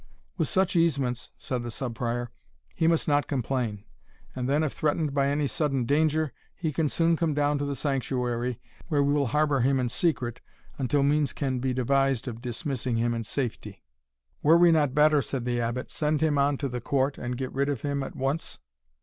"With such easements," said the Sub Prior, "he must not complain; and then, if threatened by any sudden danger, he can soon come down to the sanctuary, where we will harbour him in secret until means can be devised of dismissing him in safety." "Were we not better," said the Abbot, "send him on to the court, and get rid of him at once?"